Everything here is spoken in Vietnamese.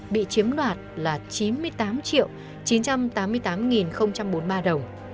bị chiếm đoạt là chín mươi tám chín trăm tám mươi tám bốn mươi ba đồng